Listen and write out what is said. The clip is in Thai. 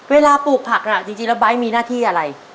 ปลูกผักจริงแล้วไบท์มีหน้าที่อะไร